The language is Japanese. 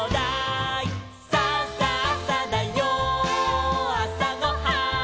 「さあさあさだよあさごはん」